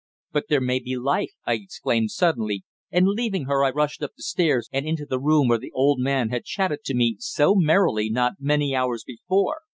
"But there may be life," I exclaimed suddenly, and leaving her I rushed up the stairs and into the room where the old man had chatted to me so merrily not many hours before.